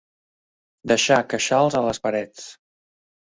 Deixar queixals a les parets.